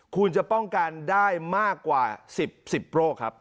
คุณจะป้องกันได้มากกว่า๑๐โรคครับ